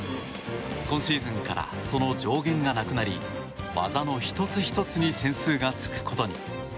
今シーズンからその上限がなくなり技の１つ１つに点数がつくことに。